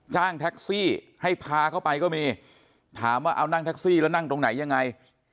จ้างแท็กซี่ให้พาเข้าไปก็มีถามว่าเอานั่งแท็กซี่แล้วนั่งตรงไหนยังไง